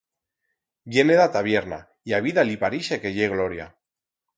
Viene d'a tabierna y a vida li parixe que ye gloria.